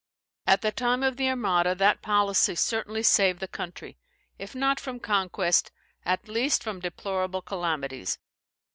At the time of the Armada, that policy certainly saved the country, if not from conquest, at least from deplorable calamities.